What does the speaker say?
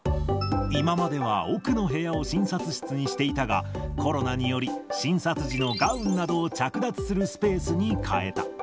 今までは奥の部屋を診察室にしていたが、コロナにより、診察時のガウンなどを着脱するスペースに変えた。